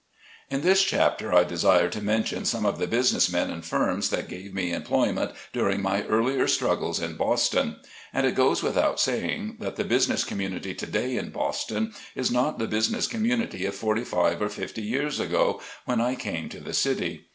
N this chapter I desire to mention some of the business men and firms that gave me employment during my earlier struggles in Boston. And it goes without saying, that the busi ness community to day in Boston, is not the business community of forty five or fifty years ago, when I came to the city.